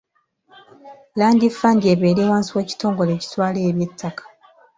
Land fund ebeere wansi w’ekitongole ekitwala eby'ettaka.